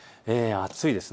暑いです。